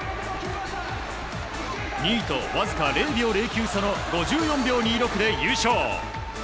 ２位とわずか０秒０９差の５４秒２６で優勝。